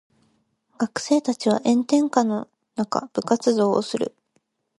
学生たちは炎天下の中部活動をする。